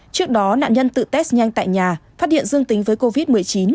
trước đó nạn nhân tự test nhanh tại nhà phát hiện dương tính với covid một mươi chín